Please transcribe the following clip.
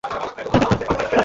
আমি তো চিনি ওঁকে।